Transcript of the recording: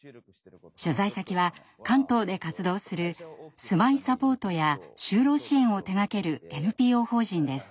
取材先は関東で活動する住まいサポートや就労支援を手がけるＮＰＯ法人です。